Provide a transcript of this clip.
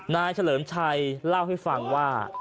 เฉลิมชัยเล่าให้ฟังว่า